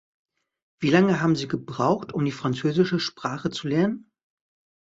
Wie lange haben Sie gebraucht, um die französische Sprache zu lernen?